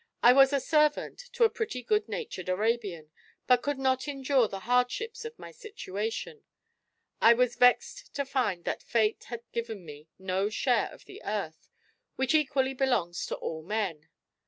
"I was a servant to a pretty good natured Arabian, but could not endure the hardships of my situation. I was vexed to find that fate had given me no share of the earth, which equally belongs to all men.